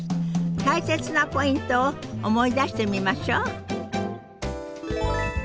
大切なポイントを思い出してみましょう。